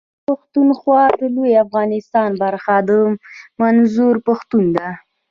پښتونخوا د لوی افغانستان برخه ده منظور پښتون.